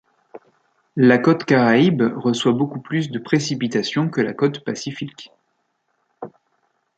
La côte caraïbe reçoit beaucoup plus de précipitations que la côte pacifique.